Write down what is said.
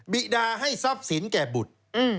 ิดาให้ทรัพย์สินแก่บุตร